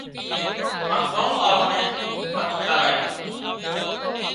هانَ ڳام واۯان نين ڀت کارايُون